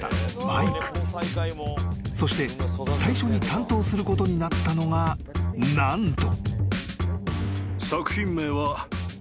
［そして最初に担当することになったのが何と］